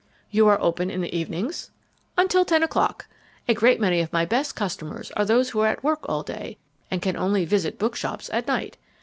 "You are open in the evenings?" "Until ten o'clock. A great many of my best customers are those who are at work all day and can only visit bookshops at night.